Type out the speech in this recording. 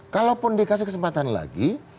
kalaupun dikasih kesempatan lagi